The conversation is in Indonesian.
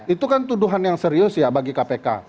itu kan tuduhan yang serius ya bagi kpk